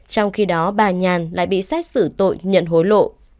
trong khi đó bà nhàn lại bị xét xử tội nhận hối lộ